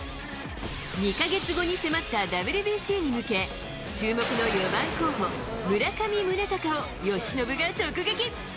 ２か月後に迫ったＷＢＣに向け、注目の４番候補、村上宗隆を由伸が直撃。